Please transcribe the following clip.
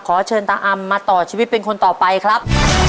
ขอเชิญตาอำมาต่อชีวิตเป็นคนต่อไปครับ